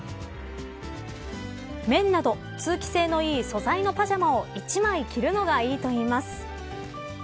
綿など通気性のいい素材のパジャマを１枚着るのがいいといいます。